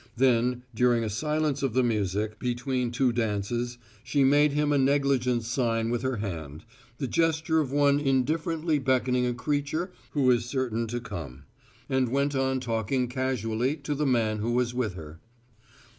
Then, during a silence of the music, between two dances, she made him a negligent sign with her hand, the gesture of one indifferently beckoning a creature who is certain to come, and went on talking casually to the man who was with her.